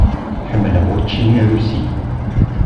Ḥemmleɣ učči arusi.